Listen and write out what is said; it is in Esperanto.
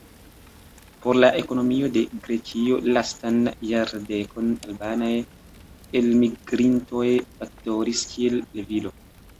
Por la ekonomio de Grekio, lastan jardekon, albanaj elmigrintoj faktoris kiel levilo.